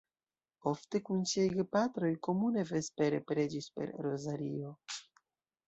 Ofte kun siaj gepatroj komune vespere preĝis per rozario.